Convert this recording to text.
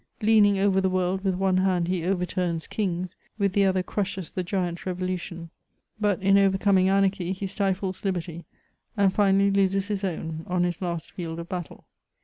Leaning over the world, with one hand he overturns kings, with the other crushes the giant revolution ; but in over coming anarchy, he stifles liberty, and finally loses his own on his last field of battle.